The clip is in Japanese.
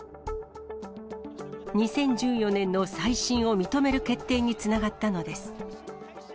２０１４年の再審を認める決定につながったのです。